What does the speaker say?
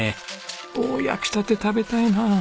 おお焼きたて食べたいな。